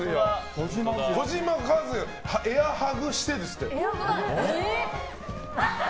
児嶋一哉エアハグしてですって。